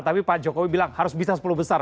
tapi pak jokowi bilang harus bisa sepuluh besar